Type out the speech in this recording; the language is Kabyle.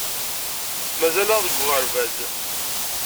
Mazal-aɣ deg uɣerbaz.